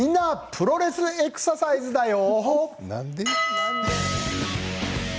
プロレスエクササイズだよ」。